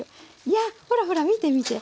いやほらほら見て見て！